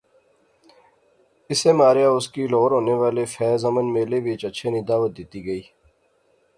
اسے ماریا اس کی لہور ہونے والے فیض امن میلے وچ اچھے نی دعوت دتی گئی